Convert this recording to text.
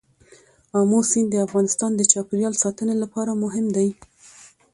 آمو سیند د افغانستان د چاپیریال ساتنې لپاره مهم دی.